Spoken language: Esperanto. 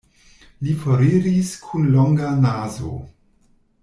Li foriris kun longa nazo.